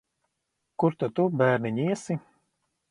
Kur tad tu, bērniņ, iesi?